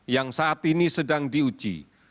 yang saat ini sedang diuji